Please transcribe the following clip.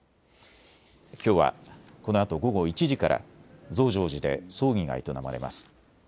きょうはこのあと午後１時から増上寺で葬儀が営まれます。